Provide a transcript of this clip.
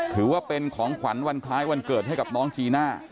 ถือว่าเป็นของขวัญวันคล้ายวันเกิดให้กับน้องจีน่า